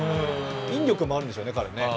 引力もあるんでしょうね、彼。